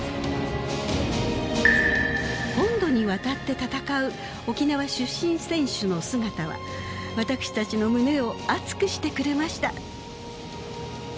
本土に渡って戦う沖縄出身選手の姿は私たちの胸を熱くしてくれました。